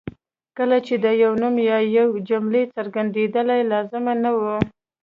کله چې د یو نوم یا یوې جملې څرګندېدل لازم نه وي.